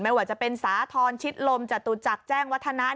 ไม่ว่าจะเป็นสาธรณ์ชิดลมจตุจักรแจ้งวัฒนะ